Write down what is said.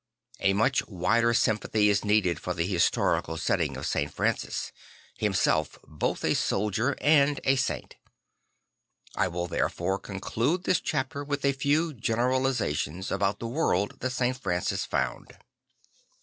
A much wider sympathy is needed for the historical setting of St. Francis, himself both a soldier and a sain t. I will therefore conclude this chapter with a few generalisations about the world that St. Francis found.